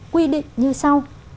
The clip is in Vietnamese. quy định như sau